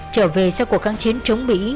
trở về sau cuộc kháng chiến chống mỹ